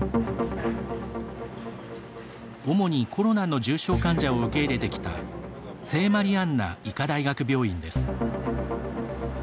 主に、コロナの重症患者を受け入れてきた聖マリアンナ医科大学病院です。